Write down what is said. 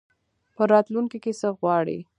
په راتلونکي کي څه غواړې ؟